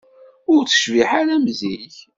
Ur tecbiḥ ara am zik.